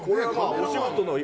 お仕事の。